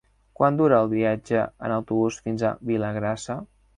Quant dura el viatge en autobús fins a Vilagrassa?